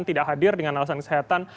tidak hadir dengan alasan kesehatan